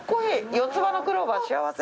四つ葉のクローバー幸せ。